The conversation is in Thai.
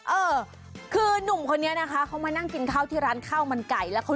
เออคือนุ่มคนนี้นะคะเขามานั่งกินข้าวที่ร้านข้าวมันไก่แล้วเขา